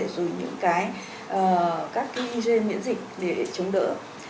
rồi những cái các cái dây miễn dịch để chống đỡ